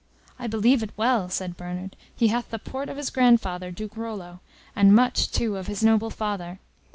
"I believe it well!" said Bernard. "He hath the port of his grandfather, Duke Rollo, and much, too, of his noble father!